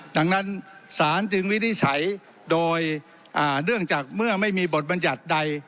ดังนั้นศาลจึงวินิจฉัยโดยเนื่องจากเมื่อไม่มีบทบัญญัติใด